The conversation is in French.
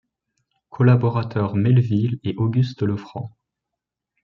Collaborateurs Mélesville et Auguste Lefranc.